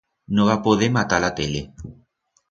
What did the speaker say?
No va poder matar la tele.